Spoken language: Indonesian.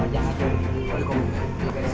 wajah aja boleh komputer